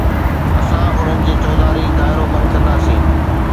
اسان انهن جي چوڌاري دائرو بند ڪنداسين.